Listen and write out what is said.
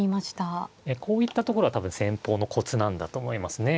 こういったところは多分戦法のコツなんだと思いますね。